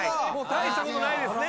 大したことないですね」